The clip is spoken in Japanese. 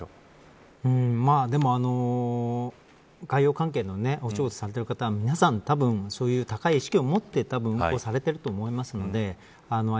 でも、海洋関係のお仕事をされてる方は皆さん高い意識を持って運航されていると思いますのであ